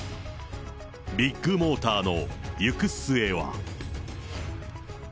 ビッグモーターの行く末は。